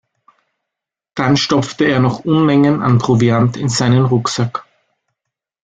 Dann stopfte er noch Unmengen an Proviant in seinen Rucksack.